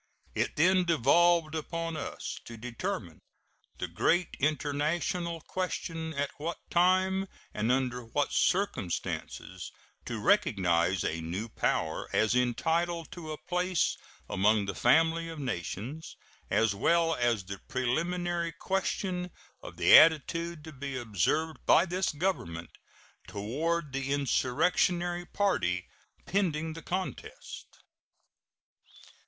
It then devolved upon us to determine the great international question at what time and under what circumstances to recognize a new power as entitled to a place among the family of nations, as well as the preliminary question of the attitude to be observed by this Government toward the insurrectionary party pending the contest.